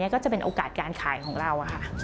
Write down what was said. ก็จะเป็นโอกาสการขายของเราค่ะ